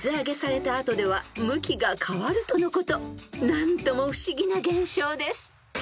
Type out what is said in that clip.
［何とも不思議な現象です］